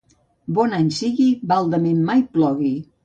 Bon any sigui, baldament mai plogui.